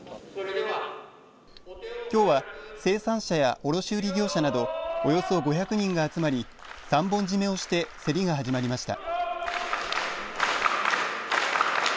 きょうは生産者や卸売業者などおよそ５００人が集まり三本締めをして競りが始まりました。